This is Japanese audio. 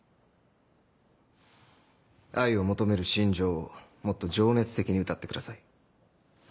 愛を求める心情をもっと情熱的に歌ってください。